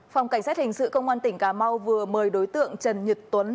phòng cảnh sát hình sự công an tỉnh cà mau vừa mời đối tượng trần nhật tuấn